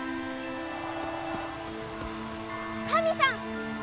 神さん！